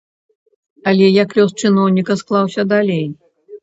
Але як лёс чыноўніка склаўся далей?